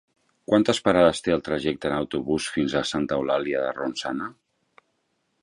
Quantes parades té el trajecte en autobús fins a Santa Eulàlia de Ronçana?